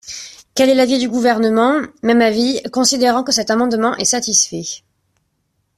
Quel est l’avis du Gouvernement ? Même avis, considérant que cet amendement est satisfait.